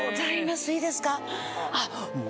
いいですか。